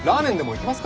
行きます！